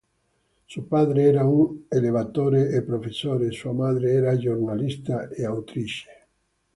Suo padre era un allevatore e professore, sua madre era giornalista e autrice.